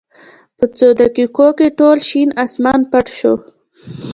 په څو دقېقو کې ټول شین اسمان پټ شو.